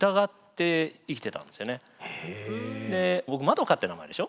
僕円って名前でしょ。